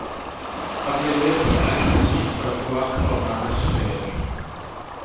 Taflunnir y llinellau syth fel bwa crwm ar y sffêr.